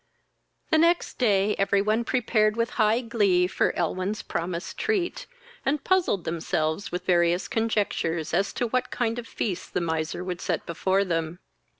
The next day every one prepared with high glee for Elwyn's promised treat, and puzzled themselves with various conjectures as to what kind of feast the miser would set before them.